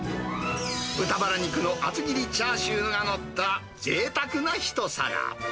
豚バラ肉の厚切りチャーシューが載った、ぜいたくな一皿。